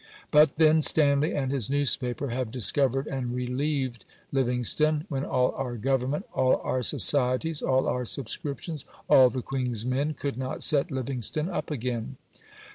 But then Stanley and his newspaper have discovered and relieved Livingstone, when all our Government, all our Societies, all our Subscriptions, all the Queen's men could not set Livingstone up again!...